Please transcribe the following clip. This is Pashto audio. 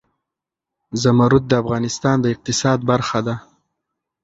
زمرد د افغانستان د اقتصاد برخه ده.